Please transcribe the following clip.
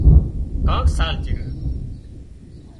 ڪانڪ سال چيڙ